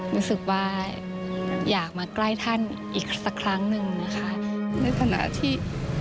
รู้สึกว่าอยากมาใกล้ท่านอีกสักครั้งหนึ่งนะคะในขณะที่